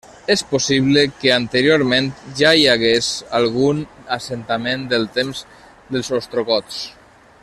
És possible que anteriorment ja hi hagués algun assentament del temps dels ostrogots.